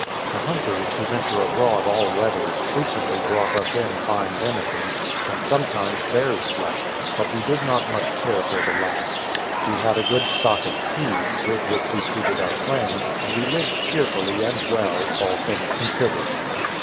The hunters, who venture abroad all weathers, frequently brought us in fine venison, and sometimes bear's flesh, but we did not much care for the last. We had a good stock of tea, with which we treated our friends, and we lived cheerfully and well, all things considered.